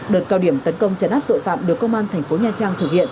đợt cao điểm tấn công chấn áp tội phạm được công an thành phố nha trang thực hiện